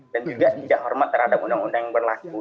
dan juga tidak hormat terhadap undang undang yang berlaku